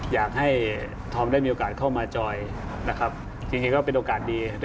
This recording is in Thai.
อยากให้ธอมได้มีโอกาสเข้ามาจอยนะครับจริงก็เป็นโอกาสดี